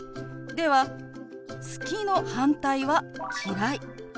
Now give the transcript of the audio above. では「好き」の反対は「嫌い」。